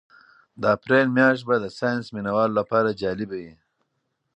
د اپریل میاشت به د ساینس مینه والو لپاره جالبه وي.